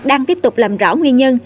đang tiếp tục làm rõ nguyên nhân